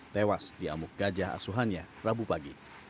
tewas di amuk gajah asuhannya rabu pagi